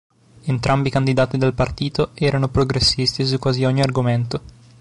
Entrambi i candidati del partito erano progressisti su quasi ogni argomento.